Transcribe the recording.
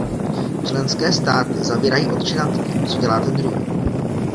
Členské státy zavírají oči nad tím, co dělá ten druhý.